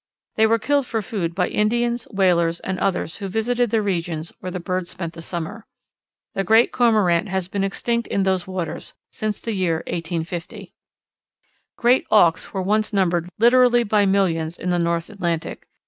They were killed for food by Indians, whalers, and others who visited the regions where the birds spend the summer. The Great Cormorant has been extinct in those waters since the year 1850. Great Auks were once numbered literally by millions in the North Atlantic.